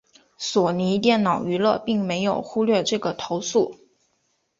索尼电脑娱乐并没有忽略这个投诉。